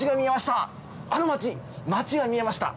あの街街が見えました。